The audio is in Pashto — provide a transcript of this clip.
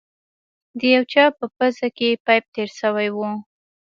د چا په پوزه کښې پيپ تېر سوى و.